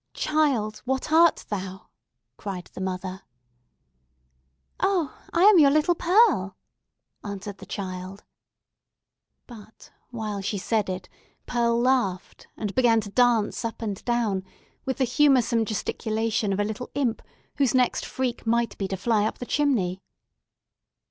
"Child, what art thou?" cried the mother. "Oh, I am your little Pearl!" answered the child. But while she said it, Pearl laughed, and began to dance up and down with the humoursome gesticulation of a little imp, whose next freak might be to fly up the chimney.